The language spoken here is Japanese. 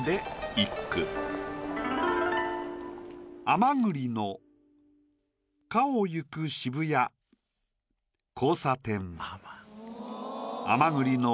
「甘栗の香を行く渋谷交差点」。